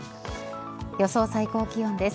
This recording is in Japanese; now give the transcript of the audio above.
予想最高気温です。